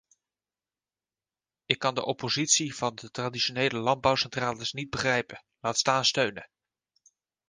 Ik kan de oppositie van de traditionele landbouwcentrales niet begrijpen, laat staan steunen.